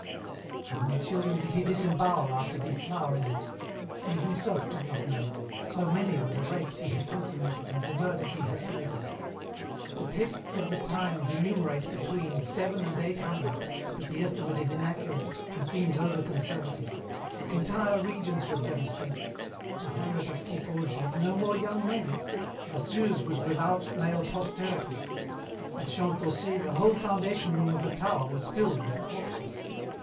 "How many children did he disembowel after deflowering them? He himself did not know, so many were the rapes he had consummated and the murders he had committed. The texts of the times enumerate between, seven and eight hundred, but the estimate is inaccurate and seems overconservative. Entire regions were devastated. The hamlet of Tiffauges had no more young men. La Suze was without male posterity. At Champtocé the whole foundation room of a tower was filled with corpses.